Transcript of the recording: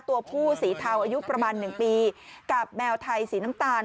ตัวผู้สีเทาอายุประมาณ๑ปีกับแมวไทยสีน้ำตาล